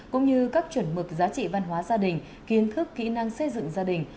cũng như các chuẩn mực giá trị văn hóa gia đình kiến thức kỹ năng xây dựng gia đình